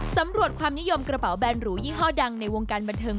สำรวจความนิยมกระเป๋าแบนหรูยี่ห้อดังในวงการบันเทิง